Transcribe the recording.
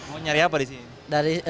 mau nyari apa di sini